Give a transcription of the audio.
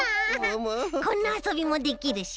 こんなあそびもできるし。